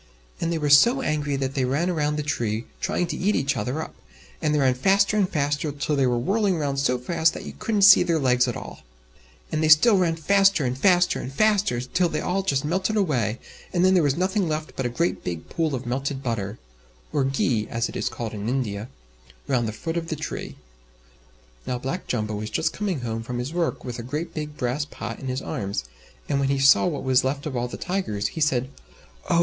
And they were so angry that they ran round the tree, trying to eat each other up, and they ran faster and faster till they were whirling round so fast that you couldn't see their legs at all. And they still ran faster and faster and faster, till they all just melted away, and then there was nothing left but a great big pool of melted butter (or "ghi" as it is called in India) round the foot of the tree. Now Black Jumbo was just coming home from his work, with a great big brass pot in his arms, and when he saw what was left of all the Tigers, he said, "Oh!